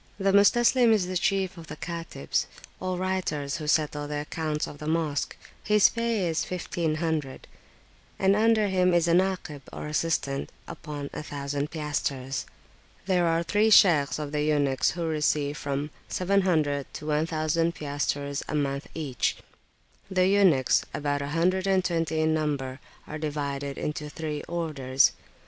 The Mustaslim is the chief of the Katibs, or writers who settle the [p.372]accounts of the Mosque; his pay is 1500, and under him is a Nakib or assistant upon 1000 piastres. There are three Shaykhs of the eunuchs who receive from 700 to 1000 piastres a month each. The eunuchs, about a hundred and twenty in number, are divided into three orders.